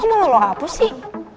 kok mau lo kapus sih